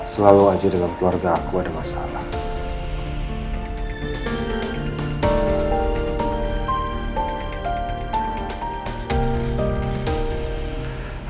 selalu aja dalam keluarga aku ada masalah